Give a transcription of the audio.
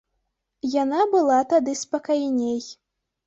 Яна была тады спакайней.